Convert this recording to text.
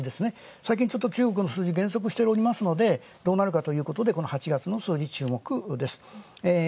最近ちょっと中国の数字減速しておりますので、どうなるかということで、この８月の数字注目です。